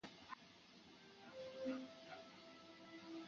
他被认为是法国史上最伟大的演说家。